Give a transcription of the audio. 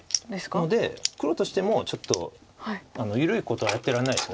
ので黒としてもちょっと緩いことはやってられないです。